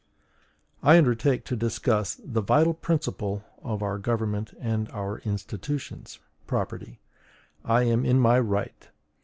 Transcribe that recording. I undertake to discuss the vital principle of our government and our institutions, property: I am in my right.